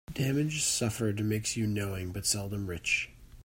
Damage suffered makes you knowing, but seldom rich.